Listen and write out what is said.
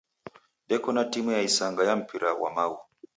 Deko na timu ya isanga ya mpira ghwa maghu.